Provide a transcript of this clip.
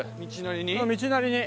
道なりに？